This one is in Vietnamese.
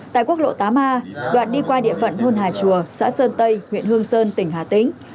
tại quốc lộ tám a đoạn đi qua địa phận thôn hà chùa xã sơn tây huyện hương sơn tỉnh hà tĩnh